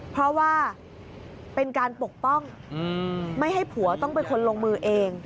เพราะว่าเป็นการปกป้องไม่ให้ผัวต้องเป็นคนลงมือเอง